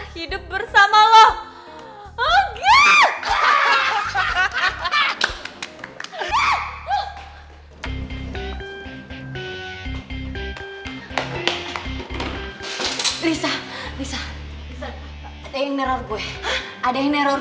siapa yang neror